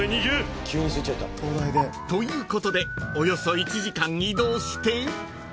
［ということでおよそ１時間移動して］